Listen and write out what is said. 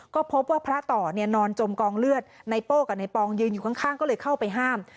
ก็พบว่าพระต่อเนี่ยนอนจมกองเลือดไนโป้กับนายปองยืนอยู่ข้างก็เลยเข้าไปห้าม